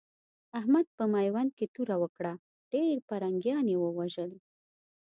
احمد په ميوند کې توره وکړه؛ ډېر پرنګيان يې ووژل.